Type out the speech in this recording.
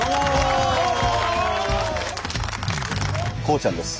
孝ちゃんです。